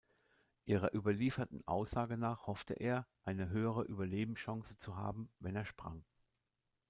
Ihrer überlieferten Aussage nach hoffte er, eine höhere Überlebenschance zu haben, wenn er sprang.